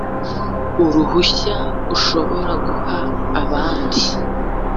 uruhushya ashobora guha abandi